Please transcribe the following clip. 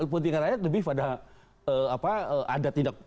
pentingnya rakyat lebih pada